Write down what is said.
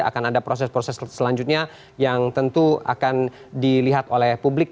akan ada proses proses selanjutnya yang tentu akan dilihat oleh publik